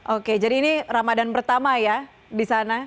oke jadi ini ramadan pertama ya di sana